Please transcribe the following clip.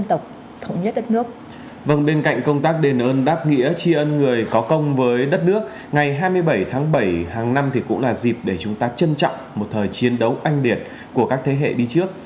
hai mươi bảy tháng bảy hàng năm thì cũng là dịp để chúng ta trân trọng một thời chiến đấu anh điện của các thế hệ đi trước